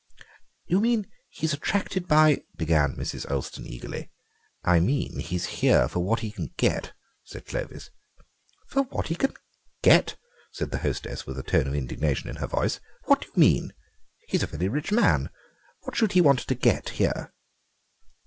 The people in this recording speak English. "You mean he's attracted by—" began Mrs. Olston eagerly. "I mean he's here for what he can get," said Clovis. "For what he can get?" said the hostess with a touch of indignation in her voice; "what do you mean? He's a very rich man. What should he want to get here?"